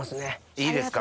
いいですか。